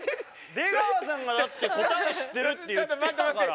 出川さんがだって答え知ってるって言ってたから。